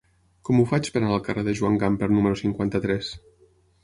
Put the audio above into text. Com ho faig per anar al carrer de Joan Gamper número cinquanta-tres?